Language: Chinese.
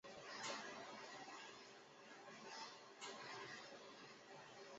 行政中心位于弗克拉布鲁克。